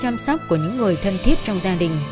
bởi bàn tay chăm sóc của những người thân thiết trong gia đình